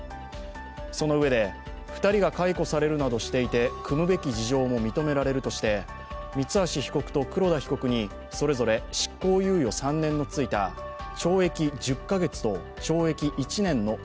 そのうえで、２人が解雇されるなどしていて、酌むべき事情も認められるとして三橋被告と黒田被告にそれぞれ執行猶予３年のついた「アロマリッチ」しよ